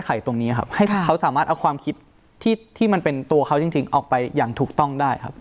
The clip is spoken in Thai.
ตรงนี้ครับให้เขาสามารถเอาความคิดที่ที่มันเป็นตัวเขาจริงออกไปอย่างถูกต้องได้ครับ